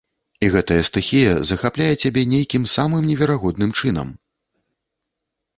І гэтая стыхія захапляе цябе нейкім самым неверагодным чынам.